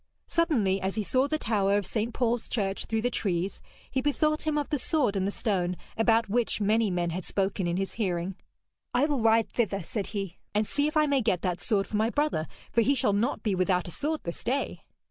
Suddenly, as he saw the tower of St. Paul's church through the trees, he bethought him of the sword in the stone, about which many men had spoken in his hearing. 'I will ride thither,' said he, 'and see if I may get that sword for my brother, for he shall not be without a sword this day.'